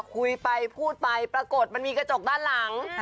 คุยไปพูดไปปรากฏมันมีกระจกด้านหลัง